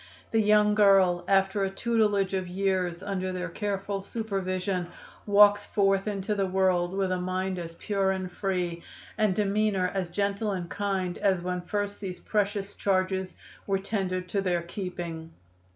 The young girl, after a tutelage of years under their careful supervision, walks forth into the world, with a mind as pure and free, and demeanor as gentle and kind, as when first these precious charges were tendered to their keeping.